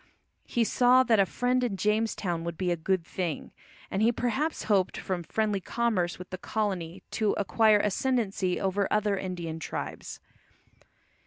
He saw that a friend in Jamestown would be a good thing, and he perhaps hoped from friendly commerce with the colony to acquire ascendancy over other Indian tribes.